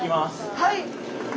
はい。